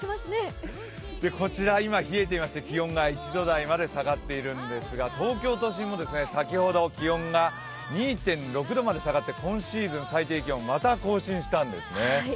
こちら、今冷えてまして気温が１度台まで下がっているんですが東京都心も先ほど気温が２．６度まで下がって今シーズン最低気温、また更新したんですね。